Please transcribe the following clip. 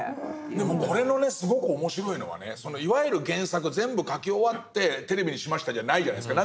でもこれのすごく面白いのはねいわゆる原作は全部描き終わってテレビにしましたじゃないじゃないですか。